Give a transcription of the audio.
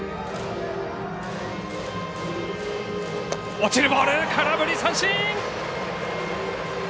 落ちるボール、空振り三振。